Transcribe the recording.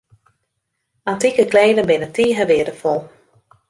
Antike kleden binne tige weardefol.